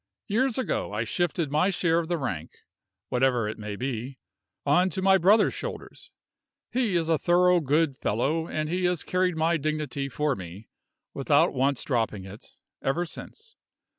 Years ago I shifted my share of the rank (whatever it may be) on to my brother's shoulders. He is a thorough good fellow, and he has carried my dignity for me, without once dropping it, ever since.